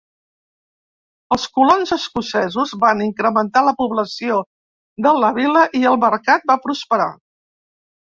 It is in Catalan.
Els colons escocesos van incrementar la població de la vila i el mercat va prosperar.